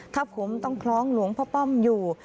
ถ้าผมต้องคล้องหลวงพ่อป้อมอยู่